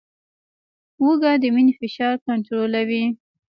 هوږه د وینې فشار کنټرولوي